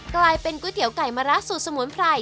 กลายเป็นก๋วยเตี๋ยวไก่มะระสูตรสมุนไพร